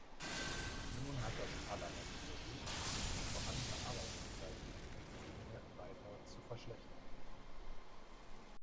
Nun hat das Parlament versucht, die vorhandene Arbeitszeitrichtlinie weiter zu verschlechtern.